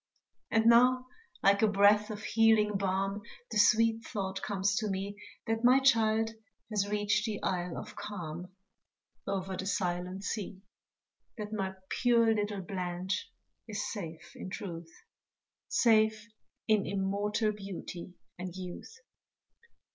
And now like a breath of healing balm The sweet thought comes to me, That my child has reached the Isle of Calm, Over the silent sea That my pure little Blanche is safe in truth, Safe in immortal beauty and youth.